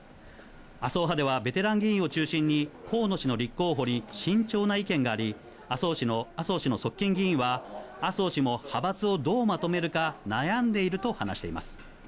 麻生派ではベテラン議員を中心に、河野氏の立候補に慎重な意見があり、麻生氏の側近議員は、麻生氏も派閥をどうまとめるか悩んでいると話しています。